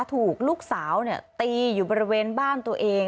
ถูกลูกสาวตีอยู่บริเวณบ้านตัวเอง